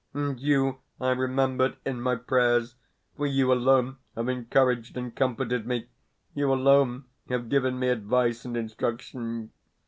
And you I remembered in my prayers, for you alone have encouraged and comforted me, you alone have given me advice and instruction.